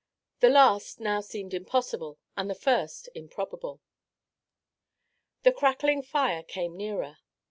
The last now seemed impossible and the first improbable. The crackling fire came nearer.